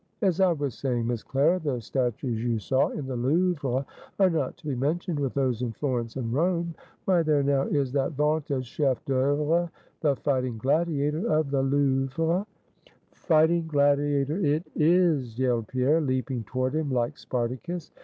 As I was saying, Miss Clara, the statues you saw in the Louvre are not to be mentioned with those in Florence and Rome. Why, there now is that vaunted chef d'oeuvre, the Fighting Gladiator of the Louvre " "Fighting Gladiator it is!" yelled Pierre, leaping toward him like Spartacus.